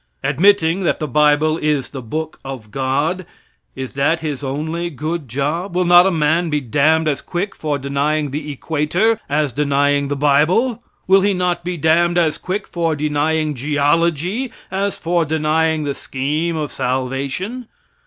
Admitting that the bible is the book of God, is that His only good job? Will not a man be damned as quick for denying the equator as denying the bible? Will he not be damned as quick for denying geology as for denying the scheme of salvation?